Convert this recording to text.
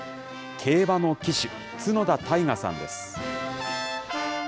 競馬の騎手、角田大河さんです。